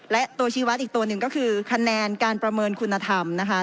และตัวชีวัตรอีกตัวหนึ่งก็คือคะแนนการประเมินคุณธรรมนะคะ